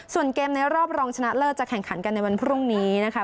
ส่วนเกมในรอบรองชนะเลิศจะแข่งขันกันในวันพรุ่งนี้นะคะ